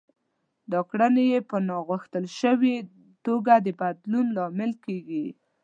دا کړنې يې په ناغوښتل شوې توګه د بدلون لامل کېږي.